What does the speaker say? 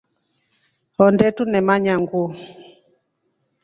Honde tunemanya nguu.